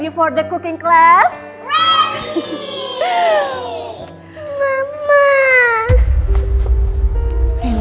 yang ada yang nggak bisa ditemani